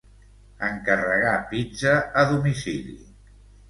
Encarregar pizza a domicili.